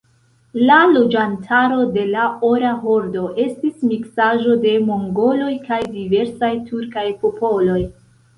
La loĝantaro de la Ora Hordo estis miksaĵo de mongoloj kaj diversaj tjurkaj popoloj.